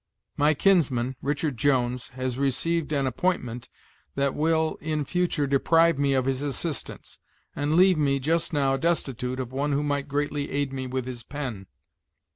My kinsman, Richard Jones, has received an appointment that will, in future, deprive me of his assistance, and leave me, just now, destitute of one who might greatly aid me with his pen.